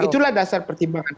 itulah dasar pertimbangan